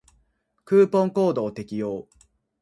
クーポンコードを適用